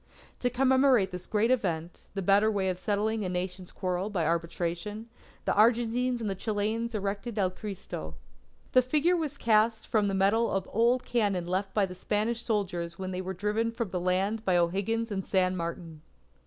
To commemorate this great event, the better way of settling a Nation's quarrel by Arbitration, the Argentines and Chileans erected El Cristo. The figure was cast from the metal of old cannon left by the Spanish soldiers when they were driven from the land by O'Higgins and San Martin.